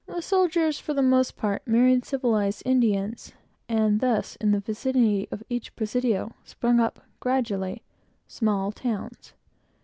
The soldiers, for the most part, married civilized Indians; and thus, in the vicinity of each presidio, sprung up, gradually, small towns.